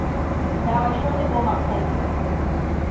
Now I surely will not plague you